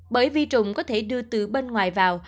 bởi vi trùng có thể đưa từ bên ngoài vào